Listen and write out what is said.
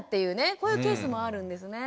こういうケースもあるんですね。